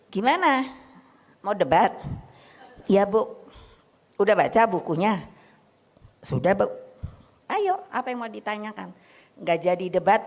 gimana mau debat ya bu udah baca bukunya sudah bu ayo apa yang mau ditanyakan enggak jadi debat